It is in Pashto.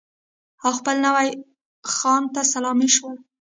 او خپل نوي خان ته سلامي شول.